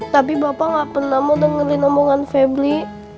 tapi bapak gak pernah mau dengerin omongan febri